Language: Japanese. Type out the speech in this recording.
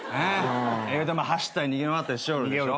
走ったり逃げ回ったりしよるでしょ。